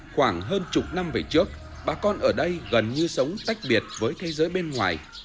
khoảng hơn chục năm về trước bà con ở đây gần như sống tách biệt với thế giới bên ngoài